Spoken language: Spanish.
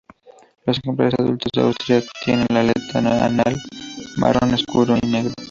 Los ejemplares adultos de Australia tienen la aleta anal marrón oscuro a negro.